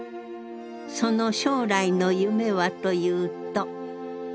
その将来の夢はというと。